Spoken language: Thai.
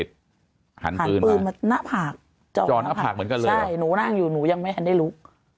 ใช่หนูนั่งอยู่หนูยังไม่ได้รู้